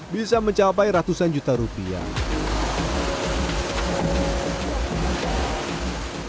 bisa mencapai ratusan juta rupiah